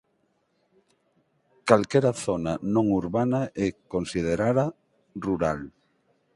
Calquera zona non urbana é considerada rural.